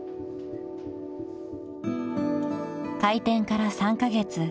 ［開店から３カ月］